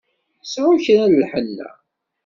Sεu kra n lḥenna!